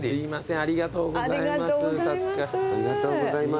ありがとうございます。